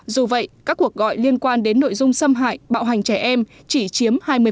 dù vậy các cuộc gọi liên quan đến nội dung xâm hại bạo hành trẻ em chỉ chiếm hai mươi